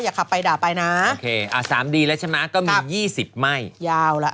อย่าขับไปด่าไปนะอ่าสามดีแล้วใช่ไหมครับก็มียี่สิบไม่ยาวล่ะ